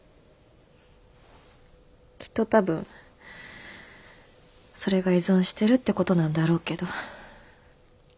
きっと多分それが依存してるってことなんだろうけど。